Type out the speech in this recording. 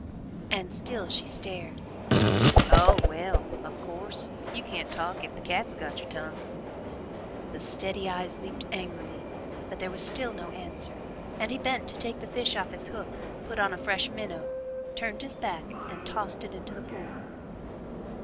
And still she stared. "Oh, well, of course, you can't talk, if the cat's got your tongue." The steady eyes leaped angrily, but there was still no answer, and he bent to take the fish off his hook, put on a fresh minnow, turned his back and tossed it into the pool.